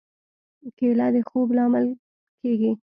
کېله د خوب لامل کېږي.